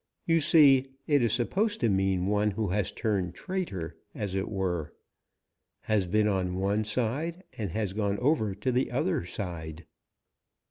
You see, it is supposed to mean one who has turned traitor, as it were; has been on one side and gone over to the other side.